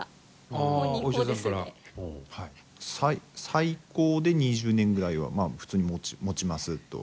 最高で２０年ぐらいは普通にもちますと。